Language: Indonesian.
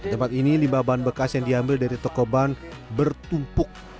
tempat ini limbah ban bekas yang diambil dari toko ban bertumpuk